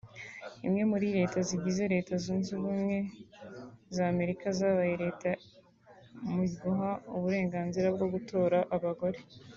imwe muri leta zigize Leta Zunze Ubumwe za Amerika yabaye leta ya mu guha uburenganzira bwo gutora abagore